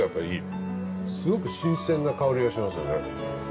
すごく新鮮な香りがしますよね。